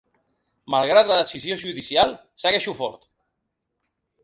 Malgrat la decisió judicial segueixo fort.